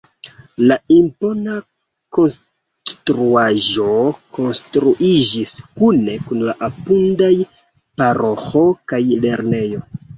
La impona konstruaĵo konstruiĝis kune kun la apudaj paroĥo kaj lernejo.